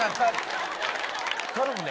頼むね。